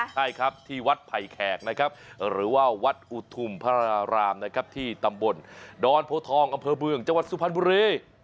ใช่ครับที่วัดไผ่แขกนะครับหรือว่าวัดอุทุมพระรารามนะครับที่ตำบลดอนโพทองอำเภอเมืองจังหวัดสุพรรณบุรี